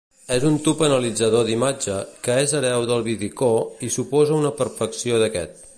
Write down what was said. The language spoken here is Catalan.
És un tub analitzador d'imatge que és hereu del vidicó i suposa una perfecció d'aquest.